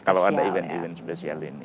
kalau ada event event spesial ini